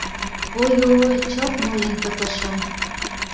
Ой-ой, чылт ноен пытышым!..